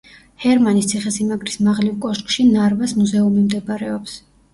ჰერმანის ციხე–სიმაგრის მაღლივ კოშკში ნარვას მუზეუმი მდებარეობს.